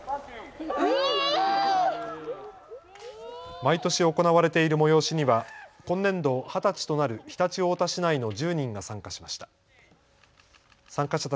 毎年行われている催しには今年度二十歳となる常陸太田市内の１０人が参加しました。